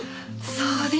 そうです。